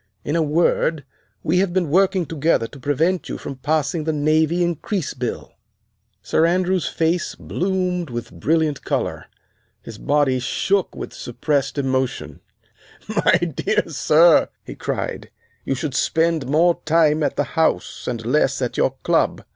In a word, we have been working together to prevent you from passing the Navy Increase Bill." Sir Andrew's face bloomed with brilliant color. His body shook with suppressed emotion. [Illustration: 16 What was the object of your plot?] "My dear sir!" he cried, "you should spend more time at the House and less at your Club.